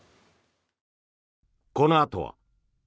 このあとは。